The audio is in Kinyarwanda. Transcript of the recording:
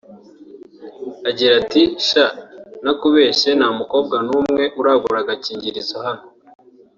Agira ati "Sha ntakubeshye nta mukobwa n’umwe uragura agakingirizo hano